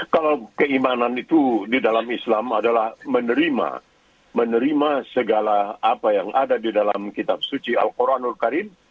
kalau keimanan itu di dalam islam adalah menerima segala apa yang ada di dalam kitab suci al quran nur karim